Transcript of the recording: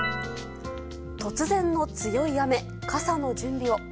突然の強い雨、傘の準備を。